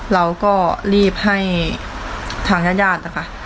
เราก็รีบให้ทางญาติญาตินะคะ